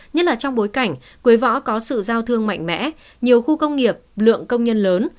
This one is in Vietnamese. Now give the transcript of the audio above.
nhất là trong bối cảnh quế võ có sự giao thương mạnh mẽ nhiều khu công nghiệp lượng công nhân lớn